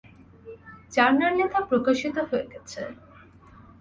জার্নালে তা প্রকাশিত হয়ে গেছে।